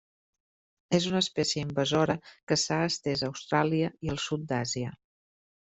És una espècie invasora que s'ha estès a Austràlia i al sud d'Àsia.